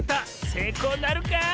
せいこうなるか？